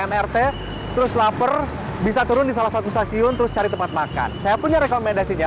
mrt terus lapar bisa turun di salah satu stasiun terus cari tempat makan saya punya rekomendasinya